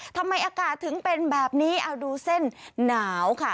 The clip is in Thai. ทำไมอากาศถึงเป็นแบบนี้เอาดูเส้นหนาวค่ะ